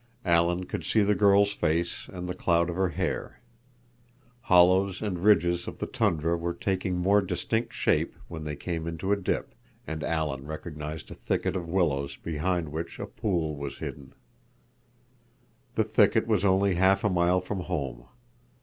Alan could see the girl's face and the cloud of her hair. Hollows and ridges of the tundra were taking more distinct shape when they came into a dip, and Alan recognized a thicket of willows behind which a pool was hidden. The thicket was only half a mile from home.